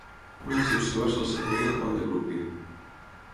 Una excepció va ser el servei al pont de Brooklyn.